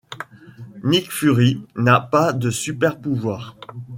Nick Fury n'a pas de super-pouvoirs.